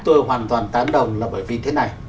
tôi hoàn toàn tán đồng là bởi vì thế này